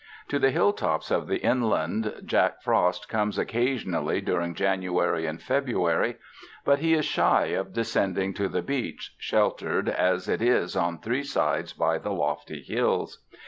To the hilltops of the inland. Jack Frost comes occasionally during Janu ary and February, but he is shy of descending to the beach, sheltered as it is on three sides by the lofty hills.